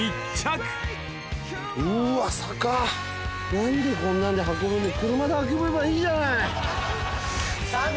・何でこんなんで運ぶんだよ。